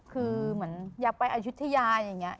คือเหมือนอยากไปอายุทยาอย่างนี้